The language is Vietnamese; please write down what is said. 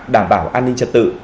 đảm bảo an ninh trật tự